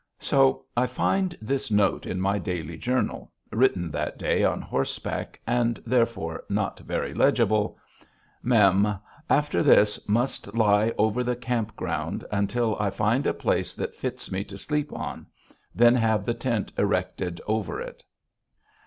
So I find this note in my daily journal, written that day on horseback, and therefore not very legible: Mem: After this, must lie over the camp ground until I find a place that fits me to sleep on. Then have the tent erected over it.